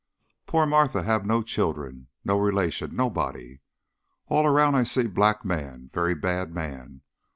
Poor Martha hab no child, no relation, nobody. All round I see black man very bad man.